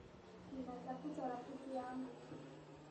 Ninatafuta rafiki yangu.